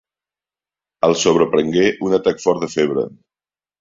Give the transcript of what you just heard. El sobreprengué un atac fort de febre.